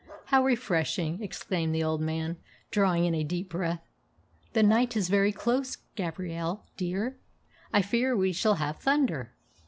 "How refreshing!" exclaimed the old man, drawing in a deep breath. "The night is very close, Gabrielle, dear. I fear we shall have thunder."